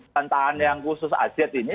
tentaan yang khusus aziz ini